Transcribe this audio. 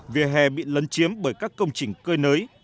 vỉa hè bị lấn chiếm bởi các công trình cơi nới